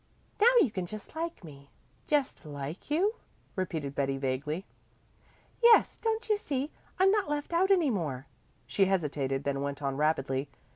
Now you can just like me." "Just like you?" repeated Betty vaguely. "Yes. Don't you see? I'm not left out any more." She hesitated, then went on rapidly.